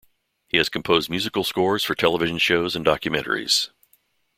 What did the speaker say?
He has composed musical scores for television shows and documentaries.